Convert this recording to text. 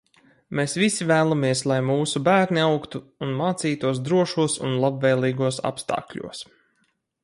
Mēs visi vēlamies, lai mūsu bērni augtu un mācītos drošos un labvēlīgos apstākļos.